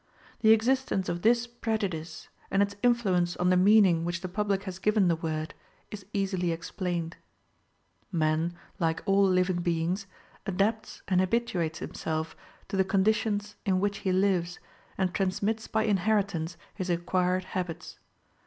The existence of this prejudice, and its influence on the meaning which the public has given the word, is easily explained. Man, like all living beings, adapts and habituates himself to the conditions in which he lives, and transmits by inheritance his acquired habits.